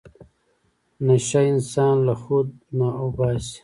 نشه انسان له خود نه اوباسي.